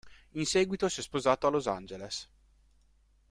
In seguito si è spostato a Los Angeles.